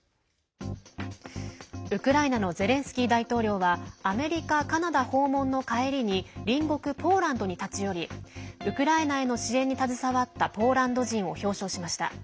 ウクライナのゼレンスキー大統領はアメリカ、カナダ訪問の帰りに隣国ポーランドに立ち寄りウクライナへの支援に携わったポーランド人を表彰しました。